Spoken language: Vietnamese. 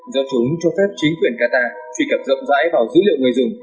do chúng cho phép chính quyền qatar truy cập rộng rãi vào dữ liệu người dùng